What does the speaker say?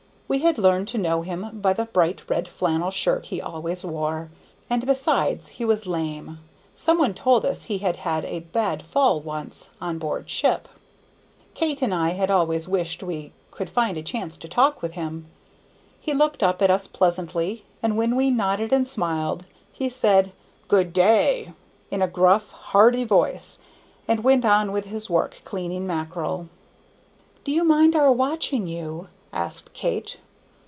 We had learned to know him by the bright red flannel shirt he always wore, and besides, he was lame; some one told us he had had a bad fall once, on board ship. Kate and I had always wished we could find a chance to talk with him. He looked up at us pleasantly, and when we nodded and smiled, he said "Good day" in a gruff, hearty voice, and went on with his work, cleaning mackerel. "Do you mind our watching you?" asked Kate.